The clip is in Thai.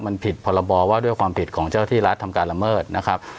มันผิดพรบว่าด้วยความผิดของเจ้าที่รัฐทำการละเมิดนะครับ